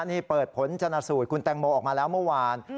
นี่เปิดผลชนสูตรคุณแตงโมออกมาแล้วเมื่อวาน